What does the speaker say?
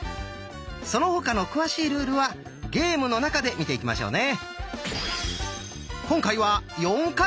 その他の詳しいルールはゲームの中で見ていきましょうね！